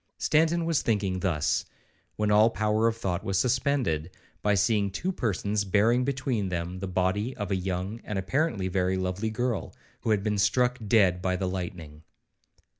Stanton was thinking thus, when all power of thought was suspended, by seeing two persons bearing between them the body of a young, and apparently very lovely girl, who had been struck dead by the lightning.